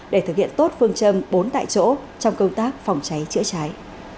để thực hiện tốt phương châm bốn tại chỗ trong công tác phòng cháy chữa cháy